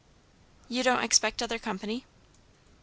"You don't expect other company?"